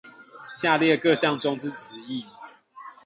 下列各項中之詞義